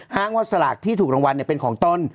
อ้างว่าสลากที่ถูกรางวัลเป็นของตน